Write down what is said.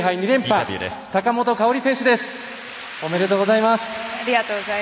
ありがとうございます。